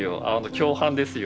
共犯ですよ。